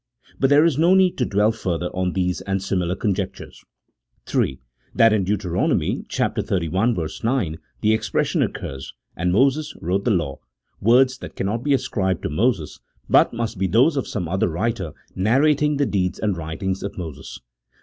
But there is no need to dwell further on these and similar conjectures. HI. That in Deut. xxxi. 9, the expression occurs, " and Moses wrote the law :" words that cannot be ascribed to Moses, but must be those of some other writer narrating the deeds and writings of Moses.